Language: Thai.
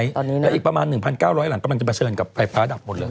แล้วอีกประมาณ๑๙๐๐หลังกำลังจะเผชิญกับไฟฟ้าดับหมดเลย